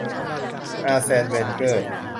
อาร์แซน เวนเกอร์